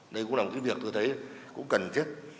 đấy cũng là một việc tôi thấy cần thiết